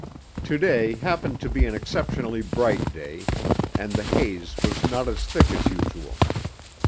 Today happened to be an exceptionally bright day, and the haze was not as thick as usual.